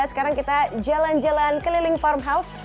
sekarang kita jalan jalan ke leliput